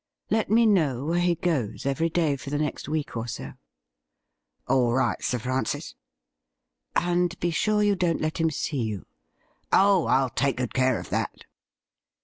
Let me know where he goes every day for the next week or so.' ' All right. Sir Francis.' ' And be sure you don't let him see you.' ' Oh, ril take good care of that.'